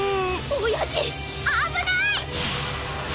おやじあぶない！